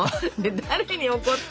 誰に怒った？